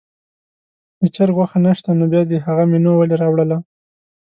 د چرګ غوښه نه شته نو بیا دې هغه مینو ولې راوړله.